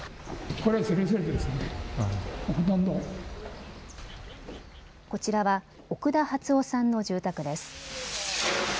こちらは奥田波都夫さんの住宅です。